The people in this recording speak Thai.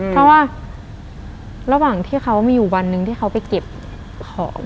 เพราะว่าระหว่างที่เขามีอยู่วันหนึ่งที่เขาไปเก็บของ